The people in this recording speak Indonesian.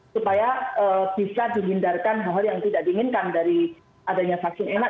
supaya bisa dihindarkan hal hal yang tidak diinginkan dari adanya vaksin enak